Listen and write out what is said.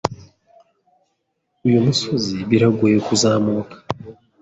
Uyu musozi biragoye kuzamuka.